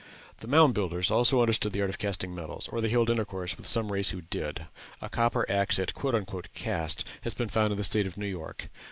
The Mound Builders also understood the art of casting metals, or they held intercourse with some race who did; a copper axe it "cast" has been found in the State of New York.